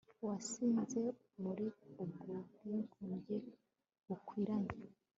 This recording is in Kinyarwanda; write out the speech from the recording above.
wansize muri ubwo bwigunge, bukwiranye